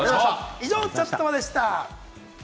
以上、チャットバでした。